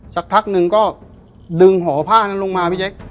สักพักหนึ่งก็ดึงห่อผ้านั้นลงมาพี่แจ๊ค